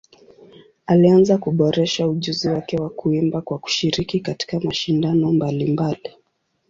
Alianza kuboresha ujuzi wake wa kuimba kwa kushiriki katika mashindano mbalimbali.